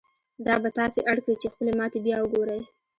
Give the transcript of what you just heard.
دا به تاسې اړ کړي چې خپلې ماتې بيا وګورئ.